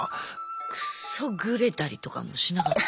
くっそグレたりとかもしなかった？